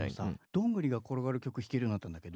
どんぐりが転がる曲弾けるようになったんだけど。